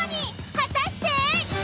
果たして！？